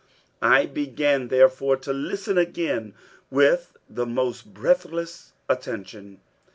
I began, therefore, to listen again with the most breathless attention.